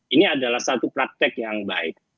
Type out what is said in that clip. ini adalah satu praktek yang baik